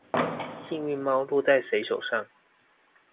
幸運貓落到誰手上